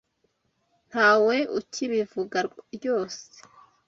Ntawe ukibivuga ryose.